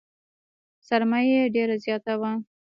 سرمایه یې ډېره زیاته وه .